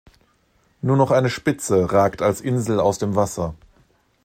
Nur noch seine Spitze ragt als Insel aus dem Wasser.